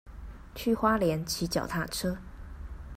去花蓮騎腳踏車